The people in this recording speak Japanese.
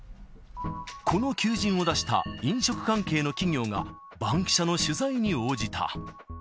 この求人を出した飲食関係の企業が、バンキシャの取材に応じた。